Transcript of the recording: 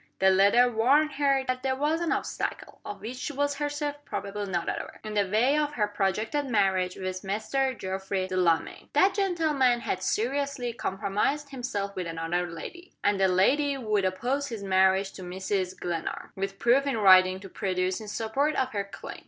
The letter warned her that there was an obstacle, of which she was herself probably not aware, in the way of her projected marriage with Mr. Geoffrey Delamayn. That gentleman had seriously compromised himself with another lady; and the lady would oppose his marriage to Mrs. Glenarm, with proof in writing to produce in support of her claim.